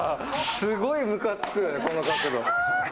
すごいむかつくよ、この角度！